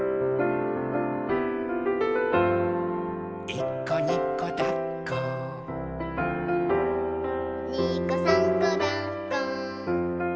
「いっこにこだっこ」「にこさんこだっこ」